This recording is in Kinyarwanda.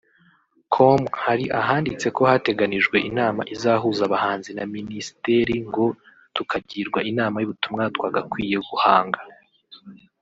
com hari ahanditse ko hateganijwe inama izahuza abahanzi na minisiteri ngo tukagirwa inama y'ubutumwa twagakwiye guhanga